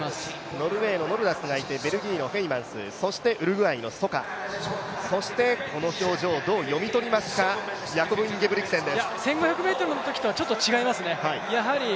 ノルウェーのノルダスがいて、ベルギーのヘイマンスそしてウルグアイのソカ、そしてこの表情をどう読み取りますか、１５００ｍのときとは違いますね。